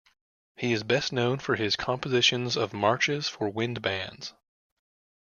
He is best known for his compositions of marches for wind bands.